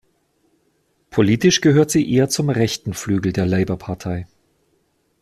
Politisch gehört sie eher zum rechten Flügel der Labour-Partei.